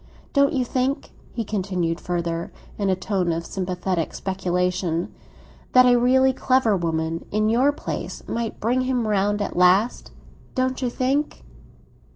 Don't you think," he continued further, in a tone of sympathetic speculation, "that a really clever woman, in your place, might bring him round at last? Don't you think?"